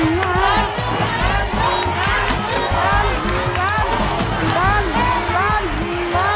น้ำน้ำน้ำ